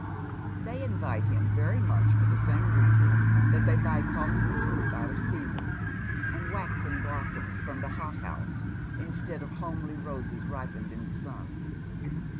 They invite him veiy inuch for the same reason that they buy costly fruit out of pcason, and waxen blossoms from the hothouse instead of homely ruses ripened in the sun.